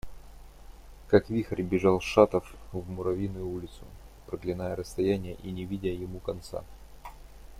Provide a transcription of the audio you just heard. Как вихрь бежал Шатов в Муравьиную улицу, проклиная расстояние и не видя ему конца.